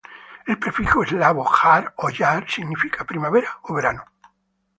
El prefijo eslavo "jar" o "yar" significa "primavera" o "verano".